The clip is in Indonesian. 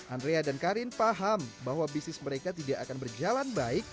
andrea dan karin paham bahwa bisnis mereka tidak akan berjalan baik